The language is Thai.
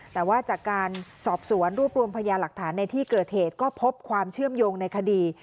แต่ว่าจากการสอบสวนรวบรวมพยาหลักฐานในที่เกิดเหตุก็พบความเชื่อมโยงในคดี